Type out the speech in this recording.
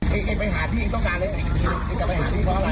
ไอ้ไอ้ไปหาพี่ต้องการเลยไอ้ไอ้จะไปหาพี่เพราะอะไร